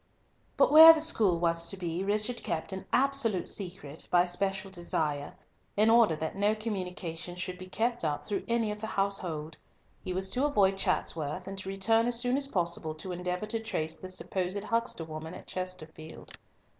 But where the school was to be Richard kept an absolute secret by special desire, in order that no communication should be kept up through any of the household. He was to avoid Chatsworth, and to return as soon as possible to endeavour to trace the supposed huckster woman at Chesterfield.